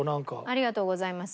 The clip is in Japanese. ありがとうございます。